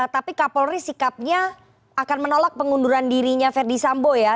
tapi kapolri sikapnya akan menolak pengunduran dirinya verdi sambo ya